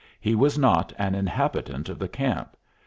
He was not an inhabitant of the camp.